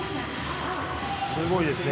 すごいですね